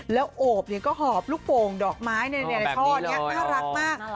แล้วโอบก็หอบลูกโป่งดอกไม้ในท่อนี้น่ารักมาก